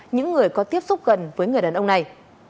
những người có tiếp xúc gần với người đàn ông này